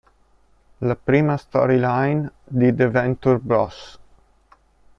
La prima storyline di "The Venture Bros.